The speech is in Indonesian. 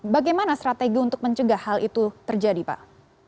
bagaimana strategi untuk mencegah hal itu terjadi pak